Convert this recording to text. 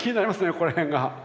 ここら辺が。